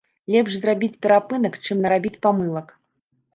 Лепш зрабіць перапынак, чым нарабіць памылак.